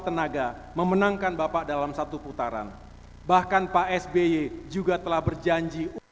pada kesempatan yang baik ini saya juga perlu menyampaikan kepada seluruh kader partai demokrat